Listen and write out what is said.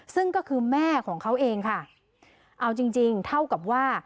ซึ่งก็คือแม่ของเขาเองค่ะเอาจริงจริงเท่ากับว่า